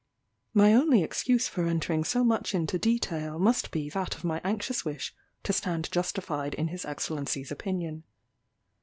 "My only excuse for entering so much into detail must be that of my anxious wish to stand justified in his Excellency's opinion.